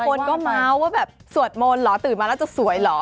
คือหลายคนก็ม้าวว่าแบบสวดมณส์เหรอตื่นมาแล้วจะสวยเหรอ